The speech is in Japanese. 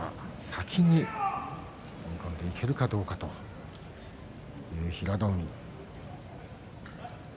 先に踏み込んでいけるかどうかという平戸海。